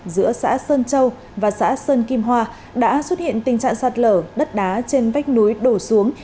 giữa xã sơn châu và xã sơn kim hoa đã xuất hiện tình trạng sạt lở đất đá trên vách núi đổ xuống